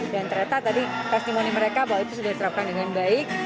dan ternyata tadi testimoni mereka bahwa itu sudah diterapkan dengan baik